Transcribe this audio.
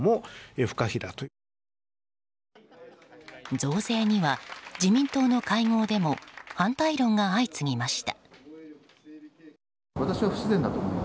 増税には、自民党の会合でも反対論が相次ぎました。